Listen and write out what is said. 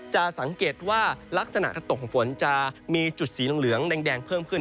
จะสังเกตว่าลักษณะถ้าตกของฝนจะมีจุดสีเหลืองแดงเพิ่มขึ้น